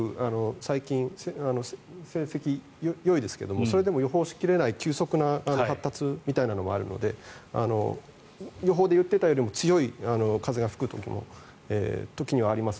最近、成績よいですけどそれでも予報しきれない急速な発達みたいなものもあるので予報で言っていたよりも強い風が吹く時も時にはあります。